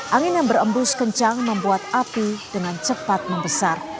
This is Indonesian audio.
angin yang berembus kencang membuat api dengan cepat membesar